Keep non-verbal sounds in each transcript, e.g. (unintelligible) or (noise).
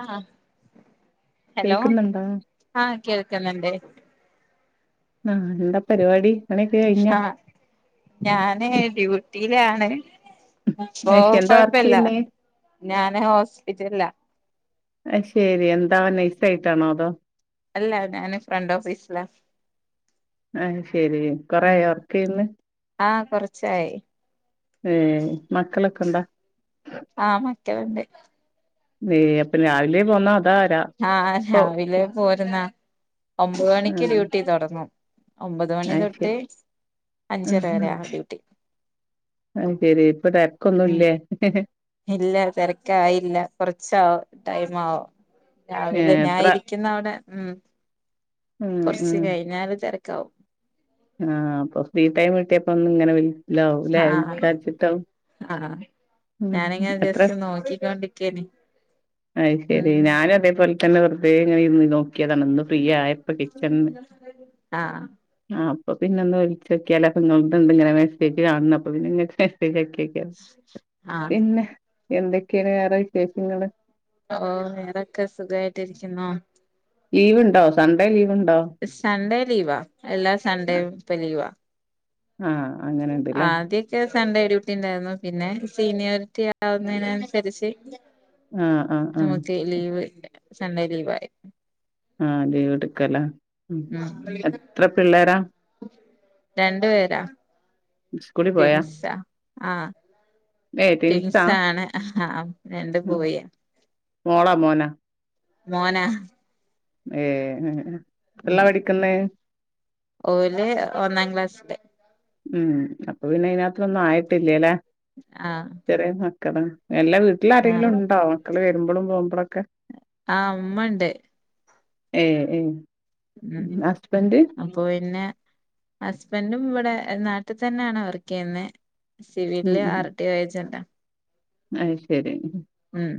ആഹ hello കേക്കുന്നുണ്ടോ ആഹ് കേൾക്കണിണ്ട്. ആഹ് എന്താ പരിപാടി? പണിയൊക്കെ കഴിഞ്ഞാ ആഹ് ഞാന് ഡ്യൂട്ടിയിലാണ്. ഇപ്പോ അയ്ശെ എന്താ വർക്ക് കൊഴപ്പില്ല ചെയ്യുന്നേ ഞാന് ഹോസ്പിറ്റലില. അയി ശെരി എന്താവാ നൈസായിട്ടാണോ അതോ? അല്ല ഞാന് ഫ്രണ്ട് ഓഫീസില. ആഹ് ശെരി കൊറേ ഉം ആയോ വർക്കെയ്ന്ന്? ആഹ് കുറച്ചായി. ഏഹ് മക്കളൊക്കെന്താ? ആഹ് മക്കളിണ്ട്. നെയ അപ്പൊ രാവിലെ പോന്നാ അതാ രാ ആഹ് ഇപ്പൊ രാവിലെ പോരുന്ന ഒമ്പ മണിക്ക് ആഹ് ഡ്യൂട്ടി തുടങ്ങു. ഒമ്പത് മണി അയ്ശെ തൊട്ട് അഞ്ചര വരെ ആണ് ഡ്യൂട്ടി. അത് ശെരി ഇപ്പ തിരക്കൊന്നും ഉം ഇല്ലേ? ഇല്ല തിരക്കായില്ല കുറച്ചാവ ടൈം ആവോ. രാവിലെ ഏഹ് ഞാ എത്ര ഇരിക്കുന്ന അവിടെ ഉം ഉം കൊറച്ച് ഉം കഴിഞ്ഞാല് തിരക്കാവും ആഹ് അപ്പൊ ഫ്രീ ടൈം കിട്ടിയപ്പോ ഒന്നും ഇങ്ങനെ വിലവാവൂല്ലേ ആഹ് വിൽക്കാചിട്ടാവും ആഹ് ഞാനിങ്ങനെ എത്ര ജസ്റ്റ് നോക്കിക്കോണ്ടിരിക്കേന് അത് ശെരി ഉം ഞാനും അതേപോലെ തന്നെ വെറതേ ഇങ്ങനെ ഇര്ന്ന് നോക്കിയതാണ് ഒന്ന് ഫ്രീ ആയപ്പൊ കിച്ചണ്ന്ന് ആഹ് ആഹ് അപ്പ പിന്നന്ന് വിളിച്ചോക്കിയലോ അപ്പോ നിങ്ങളുടെണ്ട് ഇങ്ങനെ മെസേജ് കാണുന്നു അപ്പ പിന്നെങ്ങക്ക് മെസേജക്കി നോക്കിയതാ ആഹ് പിന്നെ എന്തൊക്കെയാണ് വേറെ വിശേഷങ്ങള് ഓ ഏതൊക്കെ സുഖമായിട്ടിരിക്കുന്നോ? ലീവ്ണ്ടോ സൺഡേ ലീവ് ഉണ്ടോ സൺഡേ ലീവാ എല്ലാ സൺഡേയും ഇപ്പ ലീവാ ആഹ് അങ്ങനെണ്ട്ല്ലേ ആദ്യ യൊക്കെ സൺഡേ ഡ്യൂട്ടി ഉണ്ടായിരുന്നു പിന്നെ സീനിയോറിറ്റി ആവുന്നതിനനുസരിച്ച് ആഹ് ആഹ് ആഹ് നമുക്ക് ലീവ് സൺഡേ ലീവയി ആഹ് അതെ വിടുക്കല ഉം രണ്ട് പേരാ സ്കൂളിൽ പോയാ ടിൻസ ആഹ് ഏഹ് ട്വിൻസ് ട്വിൻസാ ആണ് രണ്ട് ബോയ് മോള മോന മോന ഏഹ് എത്രല്ല ഉം പഠിക്കുന്ന് ഓല് ഒന്നാം ക്ലാസ് ല് ഉം അപ്പൊ പിന്നെ അതിനകത്തൊന്നും ആയിട്ടില്ലല്ലെ ആഹ് എല്ലാ വീട്ടില ആരെങ്കിലും ആഹ് ഉണ്ടോ മക്കള് വരുമ്പോഴും പോകുമ്പോഴൊക്കെ ആഹ് ഉമ്മണ്ട് ഏഹ് ഏഹ് ഉം അ പ്പൊ പിന്നെ ഹസ്ബൻഡും ഇവിടെ നാട്ടിൽ തന്നെയാണ് വർക്ക് ചെയ്യുന്നത് സിവില് ആർടിഒ ഏജന്റാണ് അത്ശരി ഉം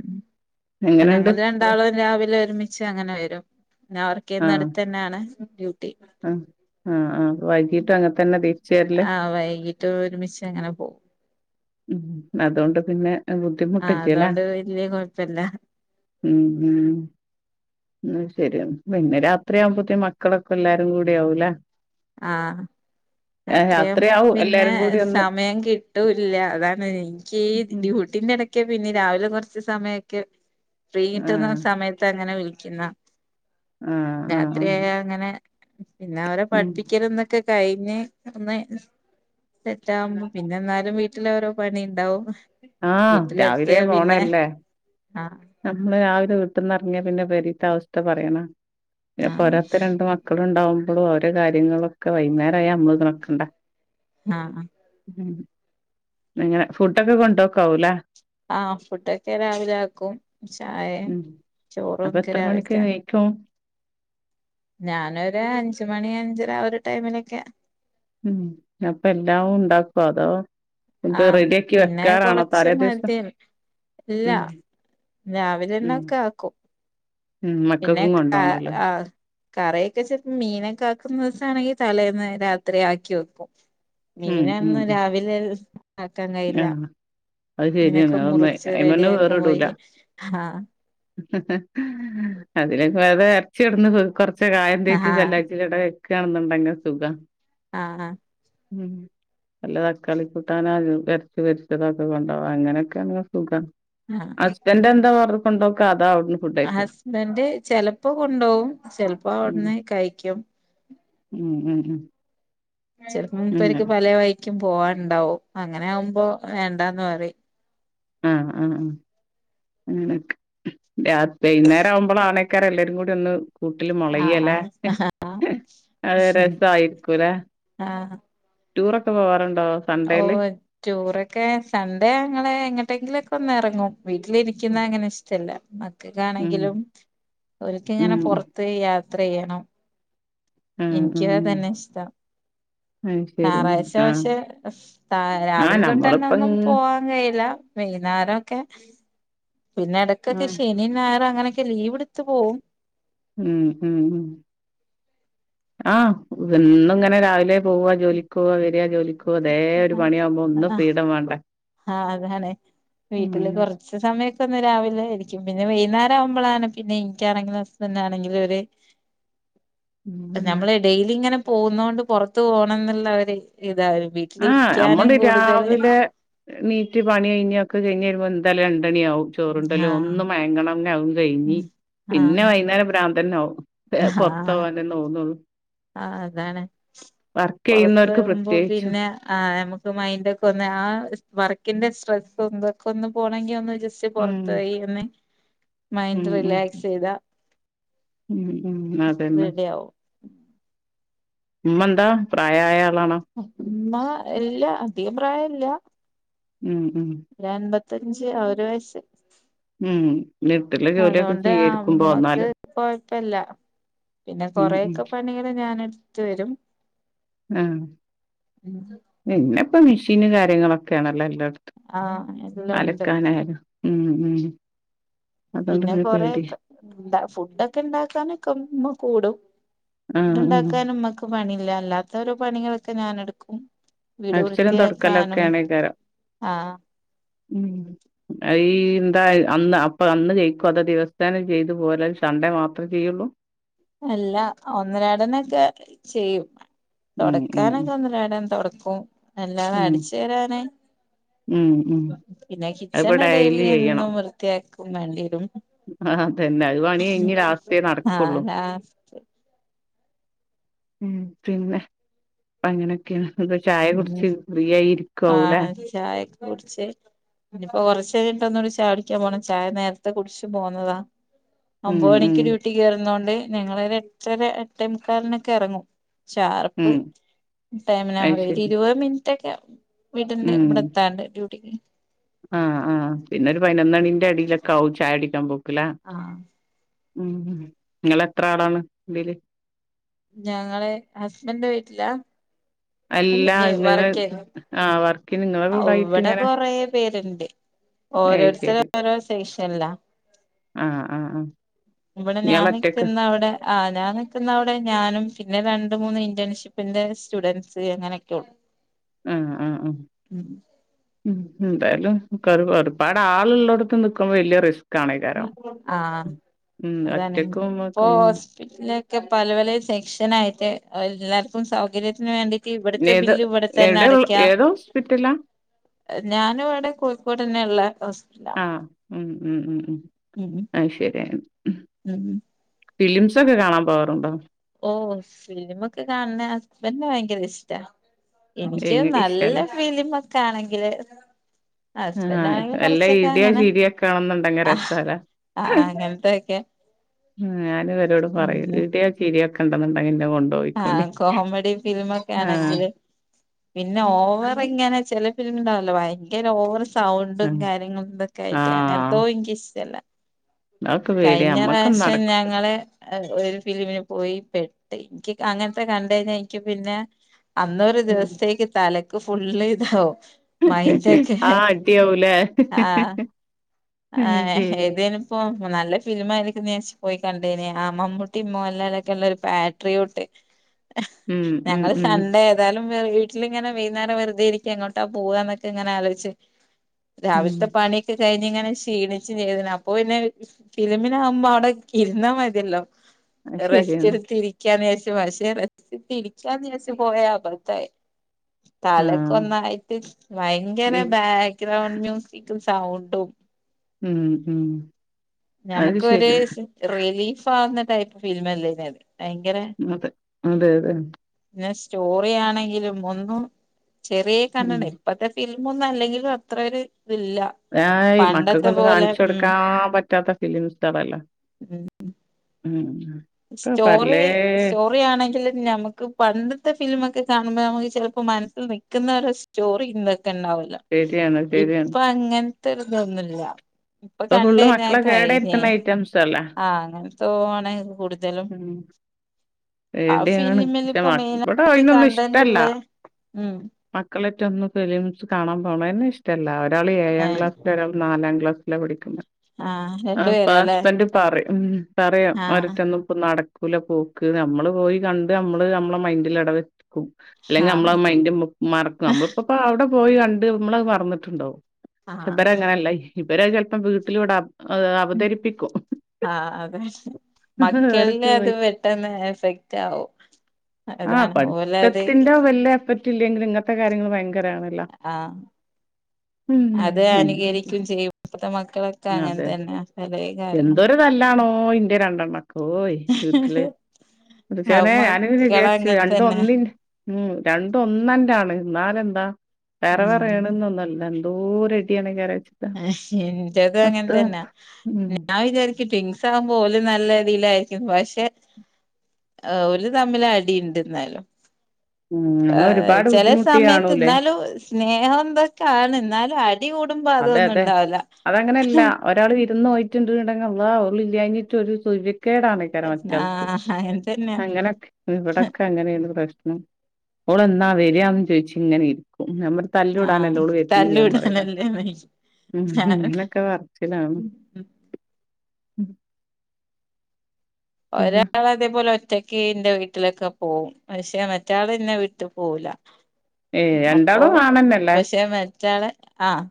അപ്പൊ ഞങ്ങൾ രണ്ടാളും രാവിലെ ഒരുമിച്ച് അങ്ങനെ വരും ഞ വർ ർക്കെയുന്ന ആഹ് അടുത്തന്നെയാണ് ആഹ് ആഹ് വൈകീട്ട് അങ്ങനത്തന്നെ തിരിച്ച് വരല് ആഹ് വൈകീ ട്ട് ഒരുമിച്ചങ്ങനെ പോകും ഉം അതൊണ്ട് പിന്നെ ആഹ് ബുദ്ധിമുട്ടില്ലല്ലേ അതോണ്ട് വല്യ കുഴപ്പല്ല ഉം ഉം ഉം ശരി പിന്നെ രാത്രിയാവുമ്പത്തേ മക്കളൊക്കെ എല്ലാരും കൂടിയാവൂലെ ആഹ് രാത്രിയാകുമ്പോ രാത്രിയാവും പിന്നെ എല്ലാരും കൂടി ഒന്ന് സമയം കിട്ട് ട്ടൂല്ല അതാണ് എനിക്ക് ഈ ഉം ഡ്യൂട്ടീന്റെ ഇടക്ക് പിന്നെ രാവിലെ കുറച്ച് സമയൊക്കെ ഫ്രീ കിട്ടുന്ന ആഹ് സമയത്ത് അങ്ങനെ വിളിക്കുന്ന ആഹ് ആഹ് രാത്രിയായ അങ്ങനെ പിന്നെ അവരെ ഉം പഠിപ്പിക്കലന്നൊക്കെ കഴിഞ്ഞ് ഒന്ന് സെറ്റവും പിന്നെ എന്നാലും വീട്ടില് ഓരോ പണി ഉണ്ടാവും ആഹ് വീട്ടിലെത്തിയ രാവിലെ പിന്നെ പോണല്ലേ ആഹ് നമ്മള് രാവിലെ വീട്ടന്ന്റങ്ങിയാ പിന്നെ പെരീത്ത അവസ്ഥ പറയണ പിന്നെ ആഹ് പൊരാത്തെ രണ്ട് മക്ക ക്കളുണ്ടാവുമ്പളും അവര് കാര്യങ്ങളൊക്കെ വൈന്നേരായ നമ്മളിതാക്കണ്ടെ ആഹ് അങ്ങനെ ഫുഡൊക്കെ കൊണ്ടോക്കാവൂല്ലെ ആഹ് ഫുണ്ടൊക്കെ രാവിലെ ആക്കും ചായേം ഉം ചോറും അപ്പൊ ക്കെ എത്ര മണിക്ക് രാവിൽത്തയാ എണീക്കും ഞാനൊര അഞ്ച് മണി ഒരഞ്ചര ആഒരു ടൈമിലൊക്കെ ഉം അപ്പം എല്ലാം ഉണ്ടാക്കോ അതോ ഇത് ആഹ് റെഡിയാക്കി പിന്നെ വെക്കാറാണോ കൊറച്ച് തലേ ദിവസം മതി എല്ലാ ഉം രാവിലെന്നെ ഉം ഒക്കെ ആക്കും ഉം പിന്നെ മക്കൾക്കും കാ കൊണ്ടോണല്ലോ ആഹ് കറിയൊക്കെ ചെലപ്പ മീനൊക്കെ ആക്കുന്ന ദിവസാണെങ്കി തലേന്ന് രാത്രി ആക്കി വെക്കും ഉം ഉം മീനൊന്നു രാവിലെ ആക്കാൻ കയ്യില്ല ആഹ് അത് ശരിയാണ് ഇങ്ങനൊക്കെ അതൊന്ന് മുറിച്ച് റെഡിയാക്കും പോയി ആഹ് അതിലൊക്ക എറച്ചി കൊടന്ന് കൊറച്ച് കായം ആഹ് തേച്ച് സല്ലാജി ഇവടെ വെക്കാണെന്ന്ണ്ടെങ്കി സുഖാ ആഹ് ആഹ് ഉം വല്ല തക്കാളി കൂട്ടാനാ (unintelligible) വെരച്ചുപൊരിച്ചതൊക്കെ കൊണ്ടാവാ അങ്ങനൊക്കെയാണെങ്കി സുഖ ആഹ് ഹസ്ബെന്റ് എന്താ വറ് കൊണ്ടോക്ക അതാവിട്ന്ന് ഹസ്ബന്റ് ചെലപ്പൊ കൊണ്ടോവും ചെലപ്പോ ഉം അവിടുന്ന് കഴിക്കും ഉം ഉം ഉം ചെലപ്പം അങ്ങനെ മൂപ്പര്ക്ക് പല വൈക്കും പോവാനുണ്ടാവും അങ്ങനെ ആവുമ്പോ വേണ്ടാന്ന് പറിം ആഹ് ആഹ് ആഹ് അങ്ങനെക്ക് രാത് വൈകുന്നേരം ആവുമ്പളാണ് ക്കാരം എല്ലാരും കൂടൊന്ന് കൂട്ടില് മോളയ്യാല്ലേ ആഹ് അത് രസായിരിക്കൂലെ ആഹ് ടൂറൊക്കെ പോവാറുണ്ടോ സൺഡേയില് ഓഹ് ടൂറൊക്കെ സൺഡേ ഞങ്ങള് എങ്ങട്ടെങ്കിലൊക്കെ ഒന്ന് എറങ്ങും വീട്ടിലിരിക്കുന്നതങ്ങനെ ഇഷ്ടല്ല ഉം മക്കൾക്കാണെങ്കിലും അവരക്ക് ഉം ഇങ്ങനെപൊറ ത്ത് യാത്രേയ്യണം ഉം ഉം ഇൻക്കും ഉം അതന്നെ ഇഷ്ടം അത് ശരി ഉം ഞായറാഴ്ച ആഹ് പഷേ ആഹ് ആഹ് രാവിലെ തൊട്ടന്നെ നമ്മളിപ്പം ഒന്നും പോ വാൻ കഴിയില്ല വൈന്നേരൊക്കെ പിന്നെ എടക്കെക്കെ ആഹ് ശനി ശനീം ഞായറു അങ്ങനൊക്കെ ലീവ് എടുത്ത് പോവും ഉം ഹും. ആഹ് എന്നുങ്ങനെ രാവിലെ പോവാ ജോലിക്ക് പോവാ വരാ ജോലിക്കോ ഓതേ ഒരു പണിയാവുമ്പൊ ഒന്നു ഫ്രീഡം വേണ്ടെ ആഹ് അതാണ് വീട്ടില് കൊർ ച്ച്സമയൊക്കെ ഒന്ന് രാവിലെ ഇരിക്കും പിന്നെ വൈന്നേരം ആവുമ്പളാണ് പിന്നെ എനിക്കാണെങ്കിലും ഹസ്ബന്റാണെങ്കിലും ഒര് ഉം നമ്മള് ഡെയിലി ഇങ്ങനെ പോവുന്നോണ്ട് പൊറത്ത്പോണോന്നുള്ള ഒര് ഇതാരു ആഹ് നമ്മണ്ട് രാവിലെ ണീറ്റ് പണി കഴിഞ്ഞ് ഒക്കെ കഴിഞ്ഞരുമ്പോ എന്താലും രണ്ടണിയാവും ചോറുണ്ടല്ലും ഒന്ന് മയങ്ങണം അതും കഴിഞ്ഞ് ഇഞ്ഞി ആഹ് പിന്നെ ആഹ് വൈകുന്നേരം പ്രാന്തന്നെനാവും ആഹ് പൊർത്തോവാനന്നെ തോന്നുള്ളു ആഹ് അതാണ് വർക്ക് ചെയ്യുന്നവർക്ക് പൊറത്തോവുമ്പ പ്രത്യേകിച്ചും പിന്നെ ആഹ് ഞമക്ക് മൈൻഡൊക്കൊന്ന് ആഹ് നമ്മക്ക് മൈന്റൊക്കെ ഒന്ന് വർക്കിന്റെ സ്ട്രെസ്സ് ഒന്തൊക്കെ ഒന്ന് പോണെങ്കി ഒന്ന് ജസ്റ്റ് ഉം പൊറത്തോയി ഒന്ന് ഉം മൈൻഡ് ഉം റിലാക്സ് ചെയ്താ ഉം ഉം അതന്നെ റെഡി ആവും ഉമ്മണ്ടാ പ്രായായ ആളാണോ ഉമ്മ ഇല്ല അധികം പ്രായല്ല ഉം ഉം ഒരൻപത്തഞ്ച് ആ ഒരു വയസ്സ് ഉം വീട്ടിലെ ജോലിയൊക്കെ ചെയ്യായ്രിക്കും പോന്നാല് കൊഴ്പ്പല്ല പിന്നെ ഉം ഉം കൊറെയൊക്കെ പണികള് ഞാനെട്ത്ത് വരും ആഹ് പിന്നെപ്പം മെഷീന് കാര്യങ്ങളൊക്കെയാണല്ലോ എല്ലാട് ആ എല്ലാം ഉണ്ട് അലക്കാനായാലും ഉം ഉം അതുകൊണ്ട് പിന്നെ പേടിയാ കൊറെയൊക്കെ ഇണ്ട ഫുഡൊക്കെണ്ടാക്കാനൊക്കെ ഇമ്മ കൂടും ഫുഡ് ആഹ് ആഹ് ഇണ്ടാക്കാനും ഇമ്മക്ക് പണില്ല അല്ലാത്തൊരോ പണികളൊക്കെ ഞാന്ട്ക്കും വീട് അടിച്ചലും തൊടക്കലൊക്കെ വൃത്തിയാക്കാനും ആണേക്കാരം ആഹ് ഉം അയീ എന്താത് അന്ന് അപ്പം അന്ന് ജയിക്കോ അതോ ദിവസേനേ ചെയ്ത് പോരത് സൺഡേ മാത്രം ചെയ്യോള്ളൂ അല്ല ഒന്നരാടൊന്നൊക്കെ ചെയ്യും ഉം ഉം ഉം തോടക്കാനൊക്കെ ഒന്നരാടം തോടക്കും അല്ലാതെ ഉം അടിച്ചേരാന് ഉം ഉം പിന്നെ അതിപ്പോ കിച്ചണ് ഡെയ്ലി ചെയ്യണം എന്നും വൃത്തിയാക്കും വേണ്ട്യരും ആഹ് അതന്നെ അത് പണ്യയിഞ്ഞ് രാത്രിയേ ആഹ് നടക്കോള്ളൂ ലാ ഉം പിന്നെ അങ്ങനെയൊക്ക്യാണ് ഒക്കെ ചായ ഉം കുടിച്ച് ഫ്രീയായി ഇരിക്കാവുലെ ആഹ് ചായൊക്കെ കുടിച്ച് ഇനിയിപ്പോ കൊറച്ചഴിഞ്ഞിട്ട് ഒന്നൂടിം ചായുടിക്ക്യൻ പോണം ചായ നേരത്തെ കുടിച്ച് പോന്നതാ ഉം ഒമ്പത് മണിക്ക് ഉം ഡ്യൂട്ടി കേറ്ന്നോണ്ട് ഞങ്ങളൊര് എട്ടര എട്ടമുക്കാല്നൊക്കെ എറങ്ങും ഷാർപ്പ് ഉം ടൈമിനാ അത് ഒരു ശരി ഇരുവത് മിൻറ്റൊക്കെ വീടിന്റെ ഉം ഇബടെത്താണ്ട് ഡ്യൂട്ടിക്ക് ആഹ് ആഹ് പിന്നൊരു പയിനൊന്നണിന്റെ എടിലൊക്കാവും ചായുടിക്കാൻ പോക്ക്ലെ ആഹ് മ്മ് മ്മ് നിങ്ങള് എത്ര ആളാണ് ഇതില് ഞങ്ങള് ഹസ്ബന്റെ വീട്ടിലാ അല്ലാ അല്ലെങ്കി ഇങ്ങനെ വർക്ക്യ്യ്ന്ന ആഹ് വർക്കിന് നിങ്ങളെ കൂടായിട്ട് ഇവടെ ഇങ്ങനെ കൊറേ പേര്ണ്ട് ഏയ് ഓരോര്ത്തര് ശരി ഓരോ സെഷൻലാ ആഹ് ആഹ് ആഹ് ഇവടെ ഞാൻ ഇയാള് ഒറ്റക്ക് നിക്ക്ന്നവടെ ആഹ് ഞാൻ നിക്ക്ന്നവ്ടെ ഞാനും പിന്നെ രണ്ട് മൂന്ന് ഇന്റേൺഷിപ്പിന്റെ സ്റ്റുഡൻസ് അങ്ങനെയൊക്കെള്ളൂ ആഹ് ആഹ് ആഹ് ഉം എന്തായാലും കൊറെ ഒര്പാടാള് ഉള്ളോട്ത്ത് നിക്കുമ്പോ വല്ല്യ റിസ് ക്കാണെക്കാരാം ആഹ് ഉം ഒറ്റക്കും (unintelligible) പിന്നൊക്കെ പലേ പലേ സെക്ഷനായിട്ട് എല്ലാർക്കും സൗകര്യത്തിന് വേണ്ടി ഇവട്ത്തെ ഏത് ബില്ല് ഇവടെ തന്നെ എവിടെ അടയ്ക്കാ ഏതോ ഹോസ്പിറ്റലാ ഞാന് ഇവടെ കോഴിക്കോടെന്നെള്ള ഹോസ്പ്പിറ്റലാ ആഹ് ഉം ഉം ഉം ഉം ഉംഉം അത് ശെരിയാ ഉം ഉം ഉം ഫിലിംസൊക്കെ കാണാൻ പോവാറ്ണ്ടോ ഓഹ് ഫിലിമൊക്കെ കാണ്ണെ ഹസ്ബന്റിന് ഭയങ്കര ഇഷ്ടാ എനിക്ക് ഇങ്ങക്ക് നല്ല ഇഷ്ടല്ല ഫിലിമൊക്കെ ആണെങ്കില് ആഹ് ഹസ്ബന്റാണെങ്കി വല്ല കൊറച്ചൊക്കെ ഇടിയോ അങ്ങനെ ചീരിയൊക്കെ ആണെന്നുണ്ടെങ്കി ആഹ് ആഹ് അങ്ങൻത്തൊക്കെ ഉം ഞാനും ഇവരോട് പറയും ഇട്യോ ചിരിയൊക്കെണ്ട്ന്ന്ണ്ടെങ്കി ഇന്നെ കൊ ആഹ് കോമഡി ഫിലിമൊക്കെ ആഹ് ആണെങ്കില് പിന്നെ ഓവറിങ്ങനെ ചെല ഫിലിംല് ഇണ്ടാവല്ലോ ഭയങ്കര ഓവർ സൗണ്ടും ആഹ് കാര്യങ്ങളും ഇതൊക്കായിട്ട് ആഹ് അങ്ങനത്തോ ഇൻക്ക് ഇഷ്ട്ടല്ല അതൊക്കെ പേടിയാ നമ്മക്കൊന്നും കഴിഞ്ഞറാശ്യം നടക്കും ഞങ്ങള് ഒരു ഫിലിമിന് പോയി പെട്ട് ഇക്ക് അങ്ങനത്തെ കണ്ട്ഴിഞ്ഞാ ഇക്ക് പിന്നെ അന്നൊരു ദിവസത്തേക്ക് തലക്ക് ഫുള്ള്താവും മൈന്റോക്കെ ആഹ് അടിയാവൂലേ അത് ആഹ് ആഹ് ശരി ഏതെയാലും ഇപ്പൊ നല്ല ഫിലിം ആയിരിക്കും ച് പോയി കണ്ടേനെ ആ മമ്മൂട്ടിം മോഹൻലാലൊക്കെ ഉള്ള ഒരു പാട്ട്രീട്ട് ഉം ഉം ഞങ്ങള് ഉം സൺഡേ എന്താലും വട്ടിലിങ്ങനെ വൈകേം വെറുതെ ഇരിക്കുംങ്ങോട്ടാ പോവുകന്നൊക്കെ ഇങ്ങനെ ആലോച്ച് ഉം രാവിലത്തെ പണിയൊക്കെ കഴിഞ്ഞ ഇങ്ങനെ ക്ഷിണിച്ചു ചെയ്തിണ് അപ്പൊ പിന്നെ ഫിലിമിനാകുമ്പോ അവിടെ കിരുന്നാ മതിയല്ലോ അത് ശരിയാണ് റസ്റ്റ്ടുത്തിരിക്കാന്നച് പക്ഷേ റ തിരിക്കാൻ ച് പോയ അപത്തആയി തലക്ക ആഹ് ഒന്നായിട്ട് ഭയങ്കര ബാഗ ഗ്രൗണ്ട് മ്യൂസിക് സൗണ്ടും ഉം ഉം അത് ഞമ്മക്കൊര് ശരി റിലീഫാവ്ന്ന ടൈപ്പ് ഫിലിമല്ലേനി അത് ഭയങ്കര അതെ അതെ അതെ പിന്നെ സ്റ്റോറി ആണെങ്കിലും ഒന്നും ചെറിയ കണ്ണട ഉം ഇപ്പത്തെ ഫിലിമ ഒന്നും അല്ലെങ്കും അത്ര ഒരു ഇതില്ല ഏ പണ്ടത്തെ മക്കൾക്കൊന്നും പോലെ കാണിച്ച ഉം കൊടുക്കാൻ പറ്റാത്ത ഫിലിം സ്റ്റാറല്ല ഉ പറലേ യാണെങ്കിൽ നമുക്ക് പണ്ടത്തെ ഫിലിമ ഒക്കെ കാണുമ്പോ നമുക്ക് ചിലപ്പോ മനസ്സിൽ നിൽക്കുന്ന ഒര് ചോറി ഇന്തൊക്കെ ഇണ്ടാവല്ലോ ശരിയാണ് ശരിയാണ് ഇപ്പൊ അങ്ങനത്തെ ഇതൊന്നുല്ല ഇപ്പൊ ഫുള്ള് കണ്ടഞ്ഞാ മക്കളെ കഴഞ്ഞേ കേടായിരുത്തുന്ന ഐറ്റംസ് അല്ലേ ആ അങ്ങനെ തോണടു ഉം ഫിലിമിൽ എടെയാണ്ക്ഷ ഇപ്പോ ഇവിട മെയിനായിട്ട് അയിനൊന്നും കണ്ടന്റ് ഇഷ്ടല്ല ഉള്ളെ ഉം മക്കളെറ്റ ഒന്ന് ഫിലിംസ് കാണാൻ പോകണെ ഇഷ്ടല്ല ഒരാൾ ഏ ഏഴാം ക്ലാസ്സൽ ഒരാൾ നാലാം ക്ലാസ്സില പടിക്കുന്നത് ആ ആ രണ്ടു പേരാല്ലേ ഹസ്ബന്ഡറ് പറയും ഉ തറയാം ആ അരട്ടൊന്നും ഇ നടക്കൂല പോക്ക് നമ്മള് പോയി കണ്ട് നമ്മള് നമ്മളെ മൈന്ഡൽ അടവെക്കും അല്ലെങ്കി ആ നമ്മളെ മയിന്റെമാർക്ക് നമ്മളിപ്പോ അവിടെ പോയി കണ്ട് നമ്മള മന്നിട്ടുണ്ടാവും ആ ഇബര അങ്ങനെല്ല ഇവരെ ചിലപ്പം വീട്ടില ഇട ആ അതെ മക്കളിൽ അവരൊക്കെ പോയി അത് വ പെട്ട എഫക്റ്റ് ആവും ആ അതാണ് ഓലെ അത് പഠിത്തത്തിന്റെോ വല്ല എഫക്റ്റ് ഇല്ലെങ്കിൽ ഇങ്ങനത്തെ കാര്യങ്ങൾ ഭയങ്കരാ ആഹ് അത് അങ്ങനെയൊക്കെ അനുകരിക്കും ചെയ്യുമ്പത്തെ മക്കളൊക്കെ അങ്ങനെ അതെ തന്നെല എന്തൊരു തല്ലാണോ ഇന്റെയ രണ്ടെണ്ണക്കോയ് വീട്ടില് അ അത് ചേനേ ഞാനി മക്കള് വിചാരിച്ചു അങ്ങനെ രണ്ട തന്നെ ഒന്നിൻ ഉം രണ്ട ഒന്നണ്ടാണ് എന്നാല എന്താ വേറെ വേറെ ഉം ണന്നൊന്നുംല്ല എന്തൂര ണ കാര എന്റെതും അങ്ങനെ തന്നെ ഉം ഞാൻ വിചാരിക്കിട്ടും ഉസം പോലും നല്ല രതിലായിരിക്കു പക്ഷെ ആ ഒല് തമ്മില അടി ഉണ്ട ഇന്നാലും ഉം ആ നമ്മൾ ഒരുപാട് ചെല ബുദ്ധിമുട്ടി സമയത്ത് കാണൂലേ എന്നാലും സ്നേഹം എന്തൊക്കെണ് എന്നാലും അടി കൂടമ്പ അതെ അതെ അതങ്ങനെയല്ല ഒരാൾ വിരുന്ന് പോയി ടങ്ങള്ളാഹ് ഒരു കേടാണ്ക്കാര മറ്റൾക്ക് ആഹ് അങ്ങനെ തന്നെയാ അങ്ങനെ ഇവിടക്കെ അങ്ങനെയാണ് പ്രശ്നം ഓള് എന്നാ വരിയാന്ന് ചോയിച്ചു ഇങ്ങനെ ഇരിക്കും നമ്മ തല്ലടാനല്ലോ ആഹ് ഓള് വരണില്ല പറിം (unintelligible) ഉം ഇങ്ങനൊക്കെ പറച്ചിലാണ് ഉം പിന്നെ ഒരാള അതേപോലെ ഒറ്റക്ക് ന്റെ വീട്ടിലൊക്കെ പോവും പക്ഷെ മറ്റാള് ഇന്നെ വിട്ട് പോവൂല ഏഹ് അപ്പൊ രണ്ടാളും ആണന്നല്ലേ പക്ഷേ മറ്റാളെ ആഹ്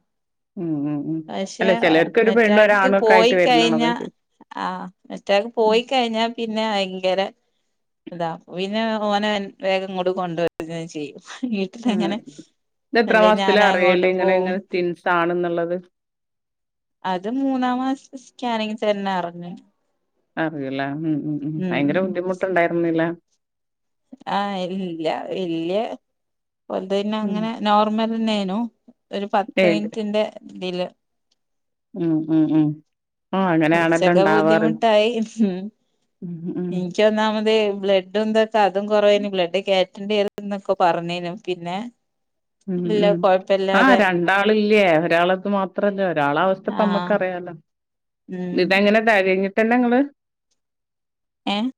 ഉം ഉം ഉം പക്ഷെ അല്ല ചെലർക്ക് ഒരു പെണ്ണും മറ്റാക്ക് ഒരാണും ഒക്കെ പോയി ആയിട്ട് വരുന്നാണ് കഴിഞ്ഞ അതാ ചോയിച്ചെ ആഹ് മറ്റാക്ക് പോയി കഴിഞ്ഞാ പിന്നെ ഭയങ്കര താ പിന്നെ ഓനെ വേഗംങ്ങട്ട് കൊണ്ടുവരും ചെയ്യും ആ വീട്ടിലങ്ങനെ അല്ലെ ഞാൻ ഇതെത്രാമാസത്തിലാ അങ്ങോട്ട് അറിയല്ങ്ങനെ പോവും ഇങ്ങനെ ട്വിൻസാണെന്നുള്ളത് അത് മൂന്നാം മാസത്തെ സ്കാനിങ് തന്നെ അറിഞ്ഞു അറിയുംലേ ഉം ഉം ഉം ഭയങ്കര ബുദ്ധിമുട്ടുണ്ടായിരുന്നില്ലേ ആഹ് ഇല്ല വല്യ ഉം ഓൽതിന്നങ്ങനെ നോർമലെന്നേനു ഒരു പത്ത് ഏത് മിനിറ്റിന്റെ തില് ഉം ഉം ഉം ആ അങ്ങനാണല്ലോ കൊറച്ചൊക്കെ ണ്ടാവാറ് ബുദ്ധിമുട്ടായി ഉം ഉം ക്കൊന്നാമത് ബ്ലഡ്ഡും തൊക്ക അതും കുറവേന് ബ്ലഡ് കേ റ്റണ്ടേരുംന്നൊക്കെ പർഞ്ഞീനു പിന്നെ ഉം ല്ല ഉം കൊഴ് ആഹ് രണ്ടാളില്ലേ ഒരാളത് മാത്രല്ല ആഹ് ഒരാളവസ്ഥപ്പമ്മക്കറിയാലോ ഉം ഇങ്ങട്ട് എങ്ങനെ തകഞ്ഞിട്ടന്നെ നിങ്ങള് ഏ